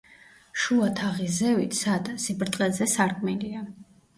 შუა თაღის ზევით, სადა სიბრტყეზე, სარკმელია.